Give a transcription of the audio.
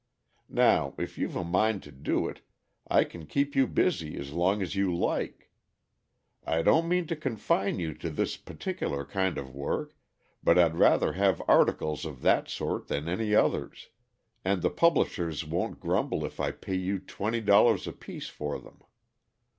Now, if you've a mind to do it, I can keep you busy as long as you like. I don't mean to confine you to this particular kind of work, but I'd rather have articles of that sort than any others, and the publishers won't grumble if I pay you twenty dollars apiece for them.